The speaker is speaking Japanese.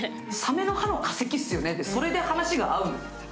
サメの歯の化石ですよねって、それで話が合うんですよ。